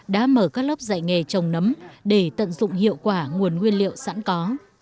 đã mở các lớp dạy nghề trồng nấm để tận dụng hiệu quả nguồn nguyên liệu sẵn có